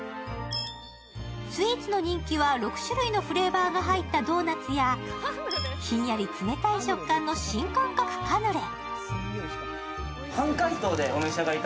スイーツの人気は６種類のフレーバーが入ったドーナツや、ひんやり冷たい食感の新感覚カヌレ。